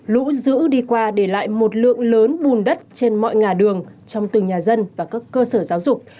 lũ dữ đi qua để lại một lượng lớn bùn đất trên mọi ngà đường trong từng nhà dân và các cơ sở giáo dục